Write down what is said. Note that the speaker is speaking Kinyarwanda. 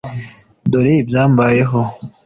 dore ibyambayeho